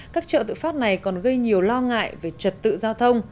các chợ tự phát này còn gây nhiều lo ngại về trật tự giao thông